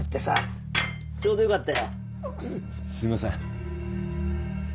すいません。